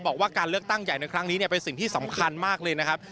บอกว่าการเลือกตั้งใหญ่ในครั้งนี้เป็นสิ่งที่สำคัญมากเลยนะครับ